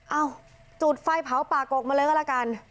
เอ้าจูดไฟเผาป่ากกมาเลอะละกัน